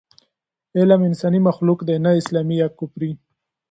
علم انساني مخلوق دی، نه اسلامي یا کافري.